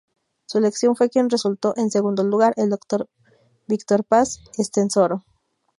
Su elección fue quien resultó en segundo lugar, el Dr. Víctor Paz Estenssoro.